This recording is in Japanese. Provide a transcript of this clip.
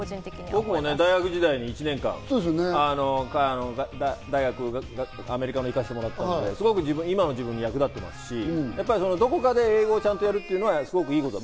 僕も大学の時に１年間アメリカに行かせてもらったので今の自分に役立ってますので、どこかで英語をちゃんとやるというのはすごくいいこと。